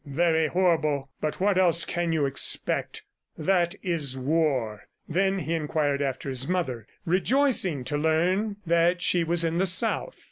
"Very horrible, but what else can you expect! ... That is war." He then inquired after his mother, rejoicing to learn that she was in the South.